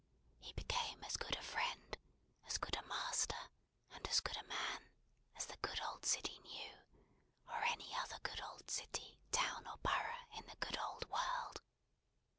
He became as good a friend, as good a master, and as good a man, as the good old city knew, or any other good old city, town, or borough, in the good old world.